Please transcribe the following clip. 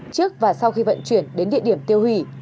trước và sau khi vận chuyển đến địa điểm tiêu hủy